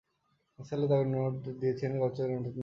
নিসার আলি তাকে দিয়েছেন কচকচে নতুন নোট।